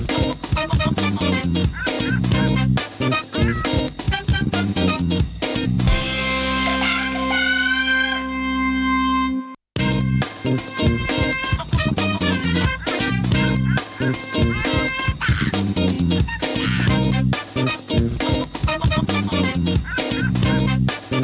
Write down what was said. ข้าวไทยไทยสดกว่าไทยใหม่กว่าเดิมเพิ่มเวลา